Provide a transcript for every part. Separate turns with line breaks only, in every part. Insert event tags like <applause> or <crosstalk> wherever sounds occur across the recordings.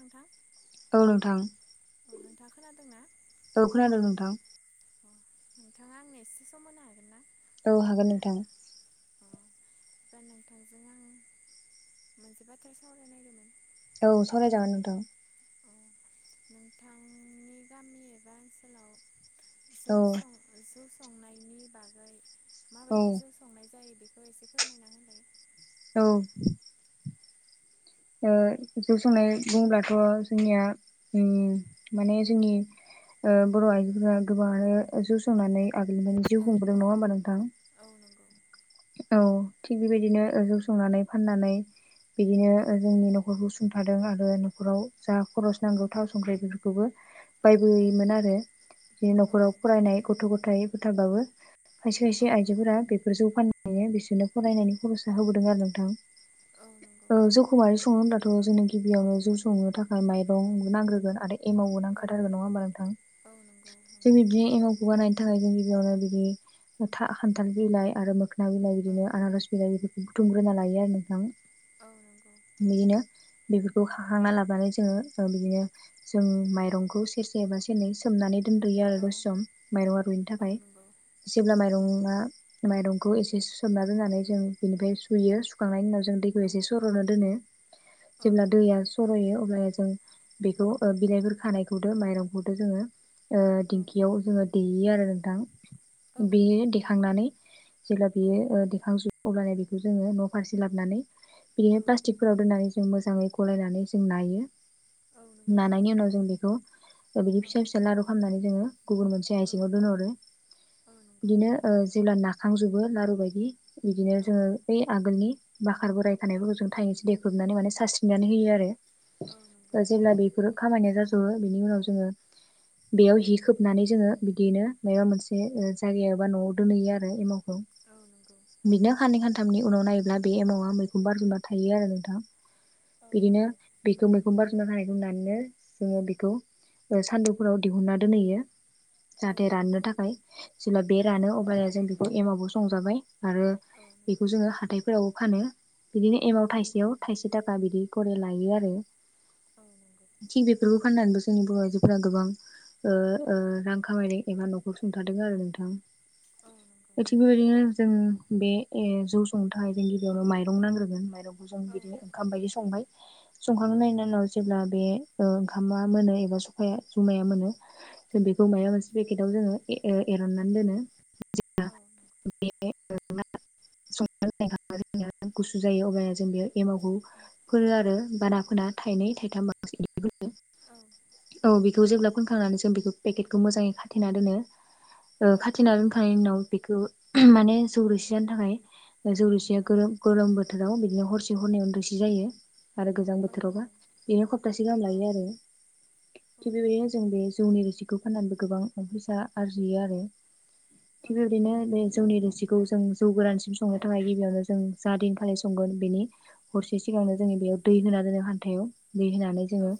नोथां <inaudible>
औ नोथां
नोंथाङा खोनादोंना
औ खोनादों नोंथां
नोंथाङा आंनो एसे सम होनो हागोन ना?
औ हागोन नोंथां
बिदिबा नोंथांजों आं मोनसे बाथ्रा सावराय नागिरदोंमोन।
औ सावरायजागोन नोंथां।
नोंथांनि गामि एबा ओनसोलाव जौ
औ
-सं -जौ संनायनि बागै
औ
माबायदि जौ संनाय जायो बेखौ बेखौ एसे फोरमायना होलाय
औ जौ संनाय बुङोब्लाथ' जोंनिया माने जोंनि बर' आइजोफोरा गोबाङानो जौ संनानै आगोल मानि जिउ खुंबोदों नङा होमबा नोंथां?
औ नंगौ
औ थिग बेबायदिनो जौ संनानै फाननानै बिदिनो
औ
जोंनि न'खरखौ सुंथादों आरो न'खराव जा खरस नांगौ थाव संख्रि बेफोरखौबो
औ
बायबोयोमोन आरो बिदिनो
औ
न'खराव
नंगौ
फरायनाय गथ' गथाय फोर थाबाबो खायसे
औ
खायसे
नंगौ
आइजोफोरा बेफोर जौ फान नै बिसोरनो फरायनायनि खरसा होबोदों आरो नोंथां
औ नंगौ
ओ जौखौ मारै सङो होनब्लाथ' जोंनो गिबियावनो जौ संनो थाखाय माइरं नांग्रोगोन आदै एमवबो
औ
नांखाथारगोन नङा
नंगौ
होमबा नोंथां
औ नंगौ
जों
नंगौ
बि एमावखौ बानायनो थाखाय जों गिबियावनो बिदि खान्थाल बिलाइ आरो मोखोना बिलाइ बिदिनो
औ
आनारस बिलाइ बे बुथुमग्रोना लायो आरो नोंथां
औ नंगौ
बिदिनो बेफोर खांना लाबानानै जोङो ओ बिदिनो जों माइरंखौ सेरसे एबा सेरनै सोमनानै दोनग्रोयो आरो
औ
दसे सम माइरंआ रुइैनो
औ
थाखाय
नंगौ
जेब्ला
औ
माइरंआ माइरं खौ एसे सोमना दोननानै जों बेनिफ्राय सुयो सुखांनायनि उनाव जों दैखौ
औ
एसे सर'नो दोनो
औ
जेब्ला
नंगौ
दैया सर'यो अब्ला जों बेखौ ओ बिलाइफोर खानायखौदो माइरंखौदो जोङो ओ
औ
दिंखियाव जोङो देयो आरो नोंथां
औ नंगौ
बेयो देखांनानै
औ
बेयो दिखांजु अब्लानो बेखौ जोङो न' फारसे लाबनानै बिदिनो प्लास्टिकफोराव दोननानै जों मोजाङै गलायनानै जों नायो
औ नंगौ नोंथां
नानायनि उनाव जों बेखौ बिदि
औ
फिसा फिसा लारु खालामनानै जोङो गुबुन मोनसे
औ
आइजेङाव दोनहरो
औ नंगौ
बिदिनो ओ जेब्ला नाखांजोबो लारु बायदि बिदिनो
औ
जोङो ओइ आगोलनि बाखार बोराय
औ
थानायफोरखौ जों थाइैसे देख्रुबनानै माने सारस्रिनानै होयो आरो
नंगौ
ओ जेब्ला बेफोरो खामानिया जाजोबो बेनि उनाव जोङो बेयाव हि खोबनानै जोङो बिदिनो माबा मोनसे ओ जायगायावबा न'आव दोनहैयो आरो एमावखौ
औ नंगौ औ नंगौ
बिनो साननै सान थामनि उनाव नायोब्ला बे एमावआ मैखुन बारजोबना थायो आरो नोंथा
औ
बिदिनो
नंगौ
बेखौ मैखुन बारजोबना थानाय रुनानैनो जोङो बेखौ ओ सान्दुंफोराव दिहुनना दोनहैयो।
औ
जाहाथे
नंगौ
राननो थाखाय जेब्ला बे
औ
रानो अब्लाना जों बि एमावबो संजाबाय आरो
नंगौ
बेखौ जोङो हाथायफोरावबो फानो। बिदिनो
औ नंगौ
एमाव थाइसेयाव
औ
थाइसे थाखा बिदि करि लायो आरो।
नंगौ औ नंगौ
थिग बेफोरखौ फाननानैबो जोंनि बर' आइजोफोरा गोबां ओ ओ रां खामायदों एबा न'खर सुंथादों आरो नोंथां।
औ नोंगो।
थिग बेबायदिनो जों बे ओ जौ संनो थाखाय जोंनो गिबियावनो माइरं नांग्रोगोन माइरं जों बिदिनो ओंखाम बायदि संबाय
औ नंगौ औ
संखांनायनि उनाव जेब्ला बे ओ ओंखामा मोनो एबा संफाया जुमाया मोनो जों बेखौ मोनसे पेकेटाव जोङो ए एरननानै दोनो <inaudible> संना दोननाय ओंखामा जोंनिया गुसु जायो अब्लाना जों बेहाय एमावखौ फोनो आरो बारा फोना थाइनै थाइथाम बांसिन औ बेखौ जेब्ला फोनखांनानै जों बेखौ पेकेटखौ मोजाङै खाथेना दोनो। ओ खाथेना दोनखांनाय उनाव बेखौ माने जौ रोसि जानो थाखाय जौ रोसिया गरम गोलोम बोथोराव बिदिनो हरसे हर नै यावनो रोसि जायो आरो गोजां बोथोरावबा बेयो सप्तासे गाहाम लायो आरो। थिग बेबायदिनो जों बे जौनि रोसि खौ फाननानैबो गोबां फैसा आरजियो आरो थिग बेबायदिनो बे जौनि रोसि खौ जों जौ गोरानसिम संनो थाखाय गिबियावनो जों जा दिनखालि संगोन बेनि हरसे सिगांनो जोंनि बे दै होना दोनो खान्थायाव दै होनानै जोङो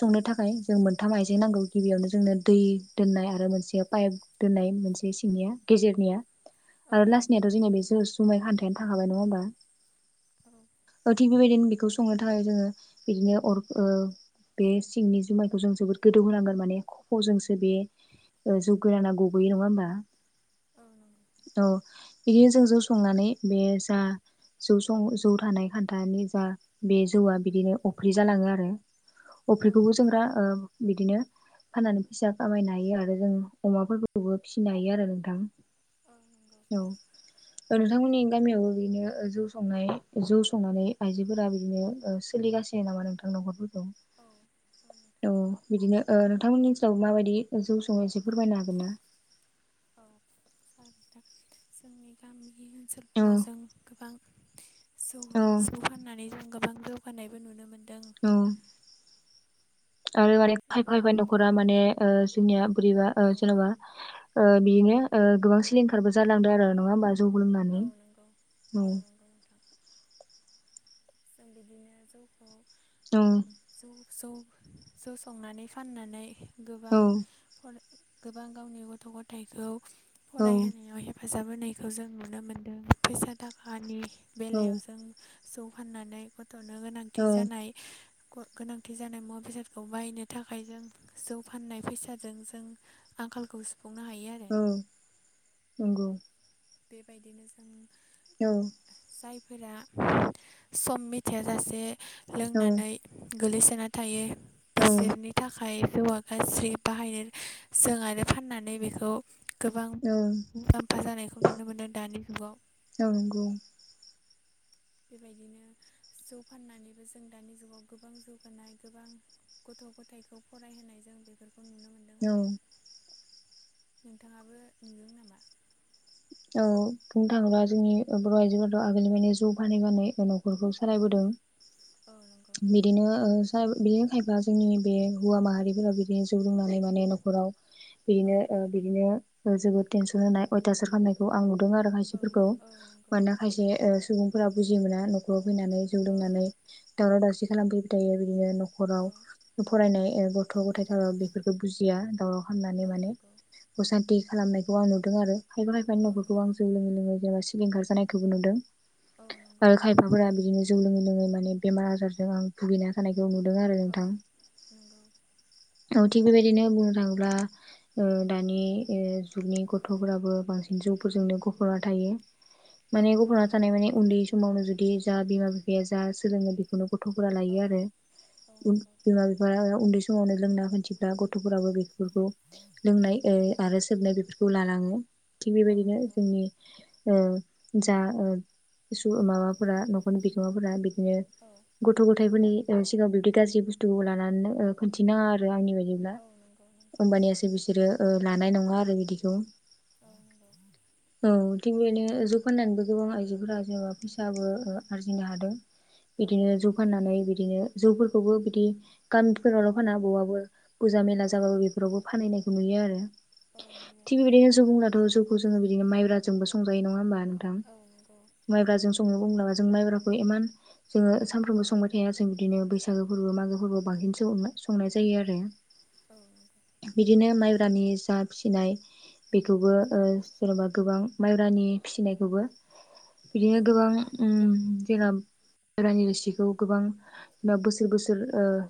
संनो थाखाय जों मोन मोनथाम आइजें नांगौ गिबियावनो जोंनो दै दोननाय आरो मोनसे पाइप दोननाय मोनसे निया गेजेरनिया आरो लासनियाथ' जोंनिना बेजों जुमाय खान्थायानो थाखाबाय नङा होमबा? ओ थिग बेबायदिनो बेखौ संनो थाखाय जोङो बिदिनो अर ओ बे सिंनि जुमायखौ जों जोबोद गोदौ होनांगोन माने खफ'जोंसो बे ओ जौ गोराना गबोयो नङा होमबा औ। बे जों जौ संनानै बे जा जौ सं जौ थानाय खान्था नि जा बे जौआ बिदिनो अफ्रि जालाङो आरो। अफ्रिखौबो जोंरा ओ बिदिनो फाननानै फैसा खामायनो हायो आरो जों अमाफोरखौबो फिनो हायो आरो। थां औ नोंथांमोननि गामियावबो बिदिनो जौ संनाय जौ संनानै आइजोफोरा बिदिनो सोलिगा सिनो नामा नोंथां न'खरफोरखौ?
औ।
औ बिदिनो ओ नोंथांमोननि ओनसोलाव माबायदि जौ सङो एसे फोरमायनो हागोन ना?
औ जागोन जोंनि गामि
औ
ओनसोलफोराव जों गोबां जौ
औ
जौ फाननानै जों गोबां जौगानायबो नुनो मोनो।
औ। आरो माने
जों
खायफा खायफा
गोबानाय
न'खरा माने ओ जोंनिया बोरैबा ओ
औ
जेन'बा ओ बिदिनो ओ गोबां सिलिंखारबो जालांदों आरो, नङा होमबा? जौ
औ
लोंनानै
नंगौ
औ।
नंगौ नोंथां जों बिदिनो जौखौ।
औ
जौ जौ जौ संनानै फाननानै गोबां
औ
फराय गोबां गावनि गथ' गथायखौ फरायहोनायाव हेफा फाजाब होनायखौ जों नुनो मोन्दों फैसा थाखानि
औ
बेलायाव जों जौ फाननानै गथ'नो गोनांथि
औ
जानाय। गोनांथि जानाय मुवा बेसादखौ बायनो थाखाय जों जौ फाननाय फैसाजों जों।। <unintelligible> आरो
<unintelligible>
<unintelligible>
औ
जायफोरा
औ
<unintelligible> गोलैसोना था
औ
जौआ गासै <unintelligible>
औ नंगौ
<inaudible> <unintelligible>
औ
<unintelligible>
औ खौ सालायबोदों बिदिनो ओ बिदिनो
औ औ नंगौ
खायफा जोंनि बे हौवा माहारिफोरा बिदिनो जौ लोंनानै माने न'खराव।
औ
बिदिनो बिदिनो जोबोद टेनसन होनाय अयथासार खालामनायखौ आं आरो
औ
खायसेफोरखौ
औ नंगौ
मानोना
नोंथां
खायसे सुबुंफोरा बुजियो मोना। फैनानै जौ
औ
लोंनानै दावराव दावसि खालामफैबाय थायो बिदिनो।
औ
न'खराव फरायनाय गथ' गथाय बेफोरखौ बुजिया दावराव खालामनानै
औ
माने
नंगौ
असानथि खालामनायखौ आं नुदों। आरो फायबा फायफानि
औ
न'फोरखौ
नंगौ
आं जौ लोङै लोङै जेनेबा सिलिंखार जानायखौबो नुदों।
औ नंगौ
आरो
नुदों
खायफाफोरा बिदिनो जौ लोङै लोङै माने बेमार आजारजों आं भुगैना थानाय। बो नुदों आरो
औ
नोंथां।
नंगौ
औ थिग बेबायदिनो बुंनो थाङोब्ला। ओ दानि ओ जुगनि गथ'फोराबो बांसिन जौफोरजोंनो गफ'बना थायो।
औ
माने गफना
नंगौ
थानाय माने उन्दै समावनो जुदि जा बिमा बिफाया जा सोलोङो बेखौनो। गथ'फोरा
औ
लायो आरो
औ नंगौ
बिमा बिफा उन्दै समावनो लोंना खोन्थिब्ला गथ'! गथ'फोराबो बेफोरखौ लोंनाय
औ
आरो सोबनाय बेफोरखौ लालाङो। थिग
औ
बेबायदिनो
नंगौ
जोंनि ओ। जा माबाफोरा न'खरनि बिगोमाफोरा बिदिनो
औ
गथ' गथायाइफोरनि सिगाङाव बिबदि गाज्रि बुस्थुखौ लानानै खिन्थिनााङा आरो आंनि बायदि। ब्ला
औ नंगौ नंगौ
होमबानियासो बिसोरो लानाय नङा आरो बिदिखौ।
औ नंगौ
औ बेनो जौ फाननानैबो गोबां आइजोफोरा जेनेबा फैसाबो आरजिनो हादों।
औ
बिदिनो
नंगौ
जौ फाननानै बिदिनो जौफोरखौबो बिदि गामिफोरावल' फाना बहाबबो फुजा मेला
औ
जाबाबो बेफोरावबो फाननायखौ नुयो आरो।
औ नुयो
थिग बे बिबायदिनो सुबुंनाथ' जौखौ जोङो बिदिनो माइब्राजोंबो संजायो नङा होमबा?
औ नंगौ
माइब्राजों संनो बुंब्ला जों माइब्राखौ इम जोङो सफ्रामबो संबाय थाया जों बिदिनो बैसागो फोरबो मागो फोरबोआव बांसिनसो सङो। संनाय जायो आरो,
औ नंगौ
बिदिनो माइ ब्रानि जा फिसिनाय बेखौबो जेन'बा गोबां माइब्रानि फिसिनायखौबो
<unintelligible>
बिदिनो गोबां जोंना माइब्रानि रोसिखौ गोबां ओ बोसोर बोसोर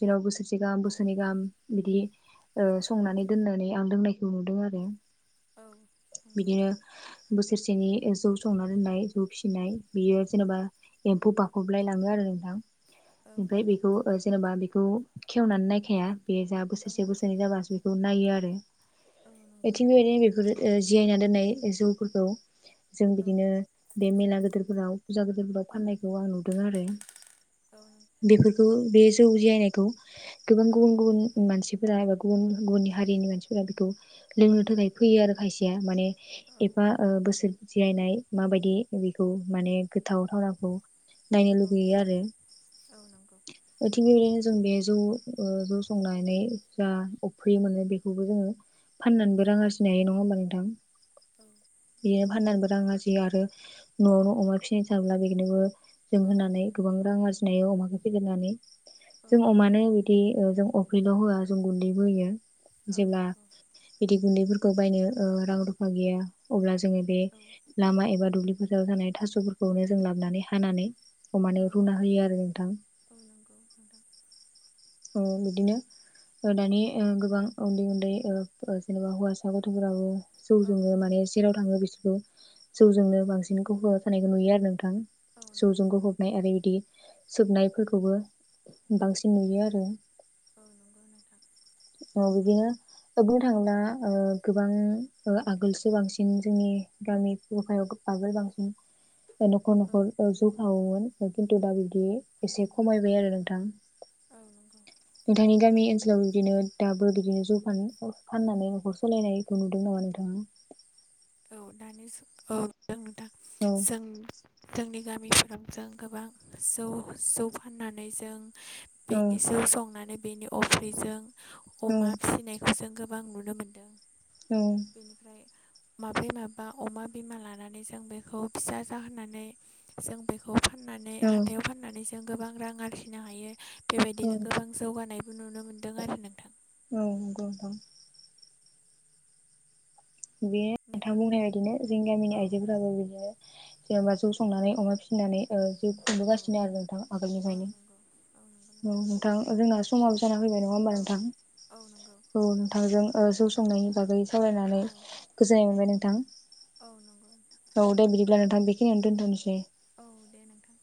जों बोसोर गाहाम बोसोरनै गाहाम बिदि
औ नंगौ
बिदिनो बोस थोरसेनि जौ संना दोननाय जौ फिसिनाय बियो जेनेबा एम्फौ बाख'लाय लाङो आरो नोंथां।
औ नंगौ औ
ओमफ्राय
नंगौ
बेखौ जेनेबा बेखौ खेवनानै नायखाया बे जा
औ
बोसोरसे बोसोरनै जाबा बेखौ नायो आरो बेथिं बेबायदिनो बे जयायना दोननाय जौफोरखौ जों बिदिनो बे मेला गदोरफोराव फुजा गेदिरफोराव फाननायखौ आं नुदों आरो बेफोरखौ बे दौ जायायनायखौ गोबां गुबन गुबन मानसि फोरा आरो गुुबन गुबुन हारिनि मानसिफोरा बेखौ लोंनो थाखाय फैयो आरो खायसेया माने एफा बा ओ बोसोर जियायनाय माबायदि बेखौ माने गोथाव थावनाखौ नायनो लुगैयो आरो
नंगौ
दा थिग बेदिनो जों बे ज ओ जौ संनानै जा अफ्रि मोनो बेखौबो जोङो फाननानैबो रां आरजिनो हायो नङा होमबा नोंथां
औ औ
बेयो फाननानैबो रां आरजियो आरो नआवनो अमा फिसिनाय थाब्ला बेखौनोबो जों
औ
होनानै गोबां रां आरजिनो अमाखौ फेदेरनानै जों
नंगौ
अमानो बिदि ओ जों अफ्रिल होआ जों गुन्दैबो होयो।
औ
जेब्ला
नंगौ
बिदि गुन्दैफोरखौ बायनो ओ रां रुफा गैया अब्ला जो जोङो बे
औ
लामा एबा दुब्लिफोरोथाव थानाय थासफोरखौनो जों लाबोनानै हानानै
औ
अमानो रुना
नंगौ
होयो आरो नोंथां।
औ नंगौ नोंथां
ओं बिदिनो ओ दानि ओ गोबां उन्दै उन्दै ओ ओ जेनबा बा हौवासा गथ'फोराबो
औ
जौजोंनो माने जेराव थाङो बिसोरबो जौजोंनो
औ
बांसिन गबना थानायखौ नुयो आरो नोंथां।
औ
जौजों
नंगौ
गबबनाय आरो बिदि सोबनायफोरखौबो
औ
बांसिन नुयो आरो।
औ नंगौ नोंथां
औ बिदिनो दा बुंनो थांला ओ गोबां ओ आगोलसो बांसिन जोंनि गामि हफायाव माब बांसिन नखर
औ
नखर ओ जौ खावो खिन्थु दा बिदि एसे खमायबाय आरो नोंथां।
औ नंगौ
नोंथांनि गामि ओनसोलाव बिदिनो दाबो बिदिनो जौ फानो फाननानै नखर सालायनायखौ नुदों नामा नोंथाङा
औ दानि औ जों दा नोंथां
औ
जों जोंनि गामिफोराव जों गोबां जौ जौ फाननानै जों बेनि जौ संनानै बेनि अफ्रिजों
औ
अमा फिसिनायखौ जों गोबां नुनो मोनदों माब्रै माबा अमा बिमा लानानै जों बेखौ फिसा जाहोनानै जों बेखौ फाननानै
औ
हाथायाव फाननानै जों गोबां रां आरजिनो हायो
औ
बेबायदिनो गोबां जौगानाय नुनो मोन्दों आरो नोंथां
औ नंगौ नोंथां बेयो नोंथां बुंनाय बादिनो जों गामिनि
औ
आइजोफोराबो बिदिनो जेनेबा जौ संनानै अमा फिसिनानै बे
औ
खुंबोगासिनो आरो नोंथां
औ नंगौ औ नंगौ
आगोलनिफ्रायनो नोंथां जोंहा समाबो जाना फैबाय नङा होमबा
औ
नोंथां
औ नंगौ
औ नोंथांजों ओ जौ संनायनि बागै सावरायनानै
औ
गोजोननाय मोनबाय नोंथां
औ नंगौ। नोंथां
औ दे बिदिब्ला नोंथां बेखनियावनो दोनथनोसै।
औ दे नोंथां।